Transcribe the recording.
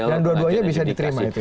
yang dua duanya bisa diterima